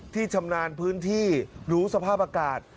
ที่ชำนาญพื้นที่หรือสภาพอากาศ